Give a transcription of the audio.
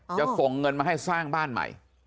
จะส่งเงินมาให้สร้างบ้านใหม่